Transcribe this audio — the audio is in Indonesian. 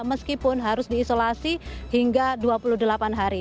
meskipun harus diisolasi hingga dua puluh delapan hari